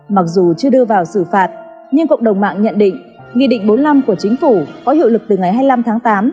mặc dù chưa đưa vào xử phạt nhưng cộng đồng mạng nhận định nghị định bốn mươi năm của chính phủ có hiệu lực từ ngày hai mươi năm tháng tám